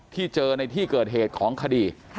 ที่เจอในที่เกิดเหตุของคดี